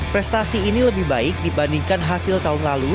prestasi ini lebih baik dibandingkan hasil tahun lalu